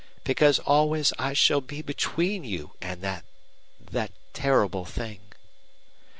"Because always I shall be between you and that that terrible thing."